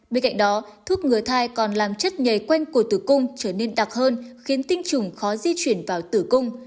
bên cạnh đó thuốc ngừa thai còn làm chất nhảy quen của tử cung trở nên đặc hơn khiến tinh trùng khó di chuyển vào tử cung